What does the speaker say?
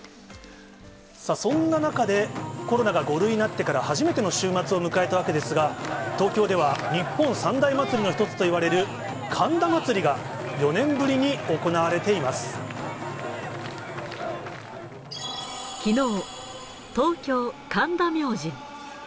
さあ、そんな中で、コロナが５類になってから初めての週末を迎えたわけですが、東京では日本三大祭りの一つといわれる神田祭が４年ぶりに行われきのう、東京・神田明神。